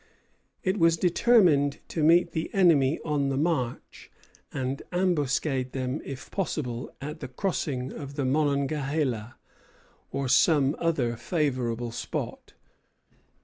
It was determined to meet the enemy on the march, and ambuscade them if possible at the crossing of the Monongahela, or some other favorable spot.